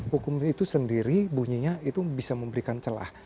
hukum itu sendiri bunyinya itu bisa memberikan celah